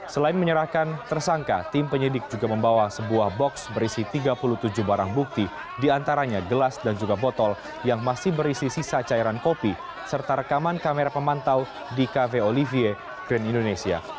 selain menyerahkan tersangka tim penyidik juga membawa sebuah box berisi tiga puluh tujuh barang bukti diantaranya gelas dan juga botol yang masih berisi sisa cairan kopi serta rekaman kamera pemantau di cafe olivier grand indonesia